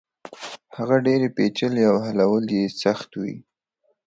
هغه ډېرې پېچلې او حلول يې سخت وي.